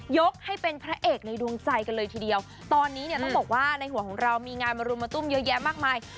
ยกให้เป็นพระเอกในดวงใจกันเลยทีเดียวตอนนี้เนี่ยต้องบอกว่าในหัวของเรามีงานมารุมมาตุ้มเยอะแยะมากมาย